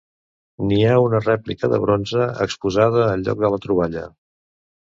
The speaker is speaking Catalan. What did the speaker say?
N'hi ha una rèplica de bronze exposada al lloc de la troballa.